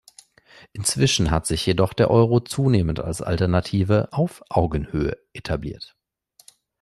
Inzwischen hat sich jedoch der Euro zunehmend als Alternative „auf Augenhöhe“ etabliert.